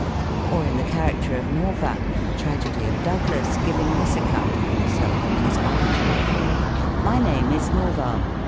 Or in the character of Nerval, in the tragedy of Douglas, giving this account of himself and his origni :" My name is Nerval.